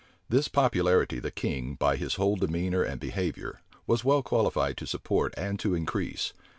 This popularity the king, by his whole demeanor and behavior, was well qualified to support and to increase.